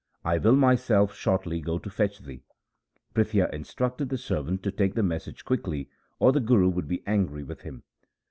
I will myself shortly go to fetch thee.' Prithia instructed the servant to take the message quickly, or the Guru would be angry with him.